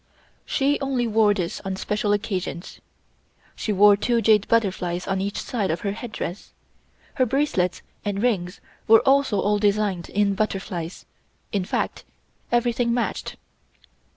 She only wore this on special occasions. She wore two jade butterflies on each side of her headdress. Her bracelets and rings were also all designed in butterflies, in fact everything matched.